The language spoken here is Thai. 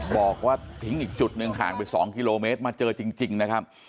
บอกว่าทิ้งอีกจุดหนึ่งห่างไป๒กิโลเมตรมาเจอจริงนะครับ